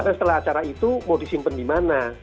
karena setelah acara itu mau disimpan di mana